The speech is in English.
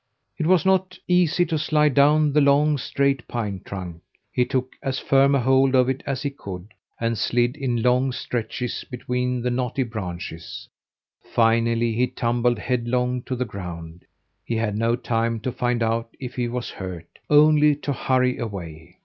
It was not easy to slide down the long, straight pine trunk. He took as firm a hold of it as he could, and slid in long stretches between the knotty branches; finally he tumbled headlong to the ground. He had no time to find out if he was hurt only to hurry away.